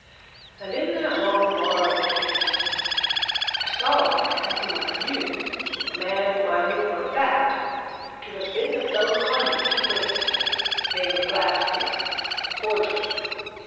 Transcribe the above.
And in that long bar of theirs, I saw a man whom I knew a man whom I knew, for a fact, to have been a fellow convict of Brake's. Name of Glassdale forgery.